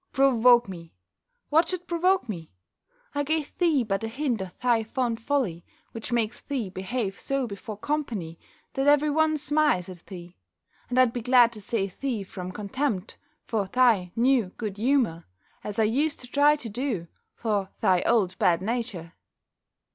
_" "Provoke me! What should provoke me? I gave thee but a hint of thy fond folly, which makes thee behave so before company, that every one smiles at thee; and I'd be glad to save thee from contempt for thy new good humour, as I used to try to do, for thy old bad nature."